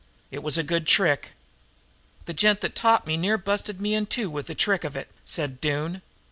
It was a good trick.' "'The gent that taught me near busted me in two with the trick of it,' said Doone.